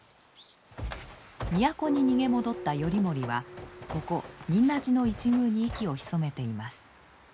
都に逃げ戻った頼盛はここ仁和寺の一隅に息を潜めています。